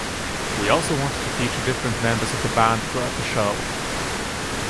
We also wanted to feature different members of the band throughout the show.